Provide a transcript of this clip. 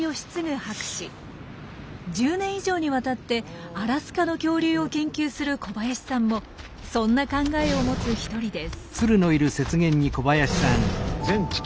１０年以上にわたってアラスカの恐竜を研究する小林さんもそんな考えを持つ一人です。